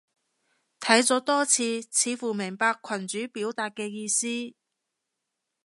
睇咗多次，似乎明白群主表達嘅意思